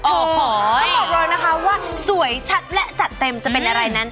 ต้องก่อนรอนะคะว่าสวยชัดและจัดเต็มจะเป็นอะไรนั้น